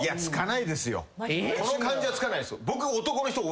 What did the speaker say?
この感じはつかないですよ。